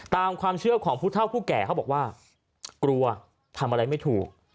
ตามความเชื่อของผู้เท่าผู้แก่เขาบอกว่ากลัวทำอะไรไม่ถูก